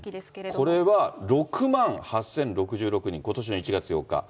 これは６万８０６６人、ことしの１月８日。